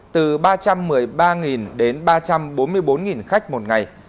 từ ba trăm một mươi ba đến ba trăm bốn mươi bốn khách một ngày